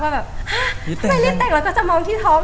แบบห๊ะทำไมรีบแต่งก็จะมองที่ท้อง